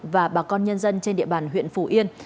và bà con nhân dân trên địa bàn huyện phủ yên